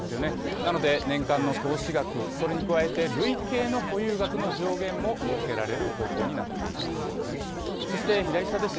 なので、年間の投資額、それに加えて、累計の保有額の上限も設けられる方向になっています。